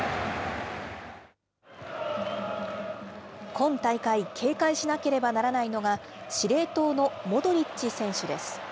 今大会、警戒しなければならないのが、司令塔のモドリッチ選手です。